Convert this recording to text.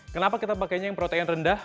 kenapa kita pakainya yang protein rendah